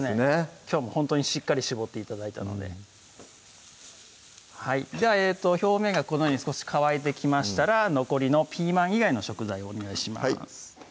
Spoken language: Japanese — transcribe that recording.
きょうはほんとにしっかり絞って頂いたのでじゃあ表面がこのように少し乾いてきましたら残りのピーマン以外の食材をお願いします